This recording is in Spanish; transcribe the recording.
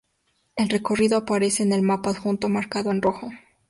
El recorrido aparece en el mapa adjunto marcado en rojo.